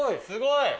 すごい！